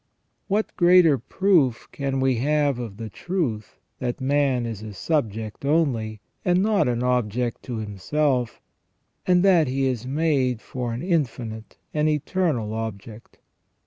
What greater proof can we have of the truth, that man is a subject only, and not an object to himself, and that he is made for an infinite and eternal object.